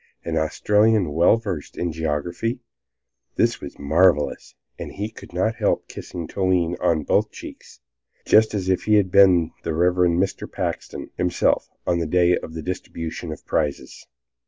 An Australian well versed in geography. This was marvelous, and he could not help kissing Toline on both cheeks, just as if he had been the Reverend Mr. Paxton himself, on the day of the distribution of prizes.